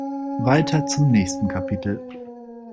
Weiter zum nächsten Kapitel.